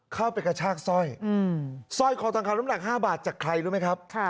กระชากสร้อยสร้อยคอทองคำน้ำหนัก๕บาทจากใครรู้ไหมครับ